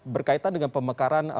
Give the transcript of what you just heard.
berkaitan dengan pemekaran